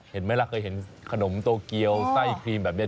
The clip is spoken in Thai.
เห็นไหมล่ะเคยเห็นขนมโตเกียวไส้ครีมแบบนี้